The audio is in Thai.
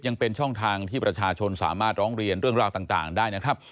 ยังเป็นช่องทางที่ประชาชนสามารถร้องเรียนเรื่องราวต่างได้นะครับ